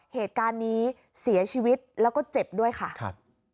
เหตุการณ์นี้เสียชีวิตแล้วก็เจ็บด้วยค่ะครับ